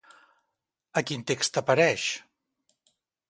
A quin text apareix?